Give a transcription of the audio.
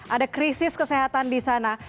ada krisis kesehatan di sana